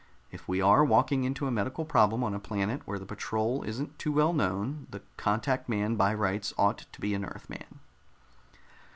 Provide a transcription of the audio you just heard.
If we are walking into a medical problem on a planet where the patrol isn't too well known, the contact man by rights ought to be an Earthman."